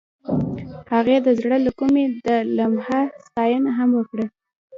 هغې د زړه له کومې د لمحه ستاینه هم وکړه.